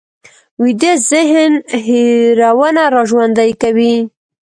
ویده ذهن هېرونه راژوندي کوي